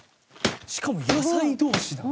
しかも野菜同士だ」